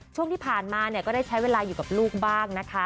ช่วงที่ผ่านมาเนี่ยก็ได้ใช้เวลาอยู่กับลูกบ้างนะคะ